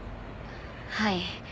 はい。